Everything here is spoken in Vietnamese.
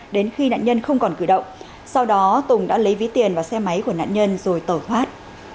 đến khi nạn nhân không còn cử động sau đó tùng đã lấy ví tiền và xe máy của nạn nhân rồi tẩu thoát